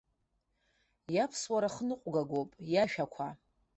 Иаԥсуара хныҟәгагоуп, иашәақәа.